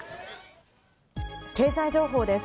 経済情報です。